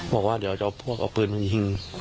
บอกว่าเดี๋ยวจะเอาพวกเอาปืนมายิง